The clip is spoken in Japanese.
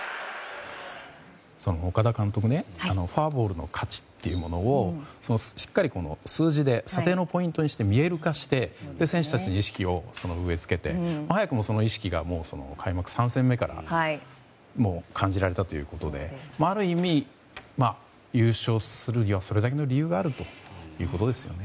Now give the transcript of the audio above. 岡田監督ねフォアボールの価値というのをしっかり、数字で査定のポイントにして見える化して選手たちに意識を植えつけて早くも意識が開幕３戦目から感じられたということである意味、優勝するにはそれだけの理由があるんですね。